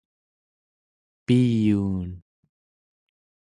piyuun